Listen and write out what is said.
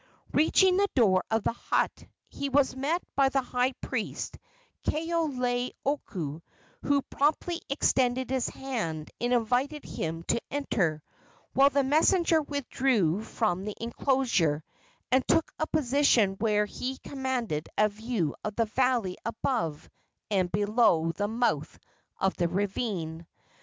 Reaching the door of the hut, he was met by the high priest Kaoleioku, who promptly extended his hand and invited him to enter, while the messenger withdrew from the enclosure and took a position where he commanded a view of the valley above and below the mouth of the ravine.